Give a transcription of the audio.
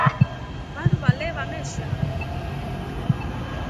Vandu vale vamesha.